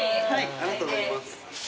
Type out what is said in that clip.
ありがとうございます。